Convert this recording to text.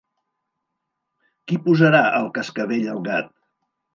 Qui posarà el cascavell al gat?